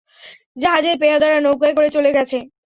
জাহাজের পেয়াদারা নৌকায় করে চলে গেছে।